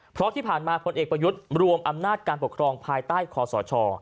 เพราะที่ผ่านมาพลเอกประยุทธ์รวมอำนาจการปกครองภายใต้คอสช